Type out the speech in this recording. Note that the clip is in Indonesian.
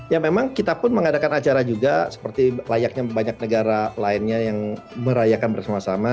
ya memang kita pun mengadakan acara juga seperti layaknya banyak negara lainnya yang merayakan bersama sama